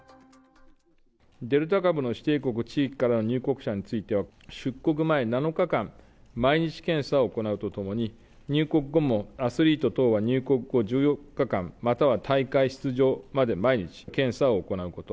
デルタ株の指定国、地域からの入国者については、出国前７日間、毎日検査を行うとともに、入国後もアスリート等は入国後１４日間、または大会出場まで毎日、検査を行うこと。